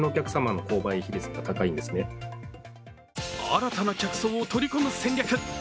新たな客層を取り込む戦略。